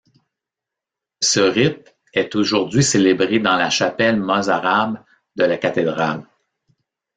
Ce rite est aujourd'hui célébré dans la chapelle mozarabe de la cathédrale.